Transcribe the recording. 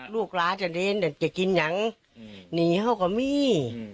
ลูกล้าจะเลี้ยงเนี่ยจะกินอย้างนี่เจ้าก็มี